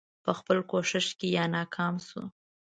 په خپل کوښښ کې یا ناکام شو.